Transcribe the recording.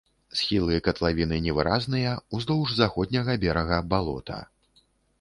Схілы катлавіны невыразныя, уздоўж заходняга берага балота.